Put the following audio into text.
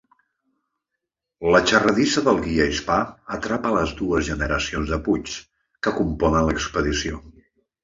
La xerradissa del guia hispà atrapa les dues generacions de Puigs que componen l'expedició.